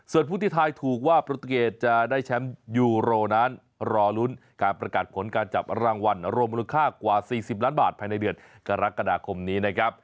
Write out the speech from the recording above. ส่วนผู้ที่ทายถูกว่าโปรตูเกตจะได้แชมป์ยูโรนั้นรอลุ้นการประกาศผลการจับรางวัลรวมมูลค่ากว่า๔๐ล้านบาทภายในเดือนกรกฎาคมนี้นะครับ